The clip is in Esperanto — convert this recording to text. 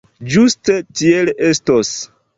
Ĝuste tiel estos.